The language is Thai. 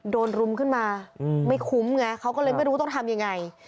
รุมขึ้นมาไม่คุ้มไงเขาก็เลยไม่รู้ต้องทำยังไง